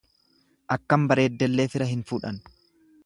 Akkam bareeddelle fira hin fuudhan.